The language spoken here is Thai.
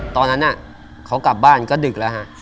ตอนนั้นเขากลับบ้านก็ดึกแล้วฮะ